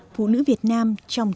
phụ nữ việt nam